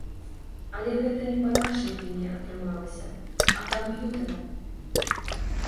Але гэта не па нашай віне атрымалася, а камп'ютара.